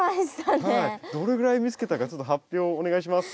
どれぐらい見つけたかちょっと発表お願いします。